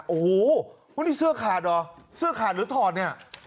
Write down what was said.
โอ้โหนี่เสื้อขาดเหรอเสื้อขาดหรือถอดเนี่ย